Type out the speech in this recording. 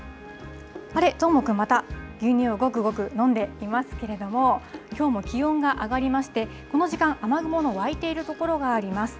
あれ、どーもくん、また牛乳をごくごく飲んでいますけれども、きょうも気温が上がりまして、この時間、雨雲の湧いている所があります。